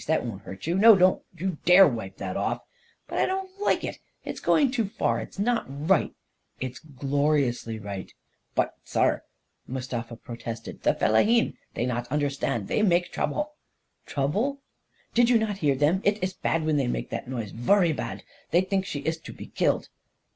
That won't hurt you ! No — don't you dare wipe it off!" 14 But I don't like it. It's going too far ! It's not right!' 1 14 It's gloriously right! " M But, saar," Mustafa protested, 44 the fellahin — they not understand. They make trouble." "Trouble?" A KING IN BABYLON 255 41 Did you not hear them? It iss bad when they make that noise — vurry bad I They think she iss to be killed!"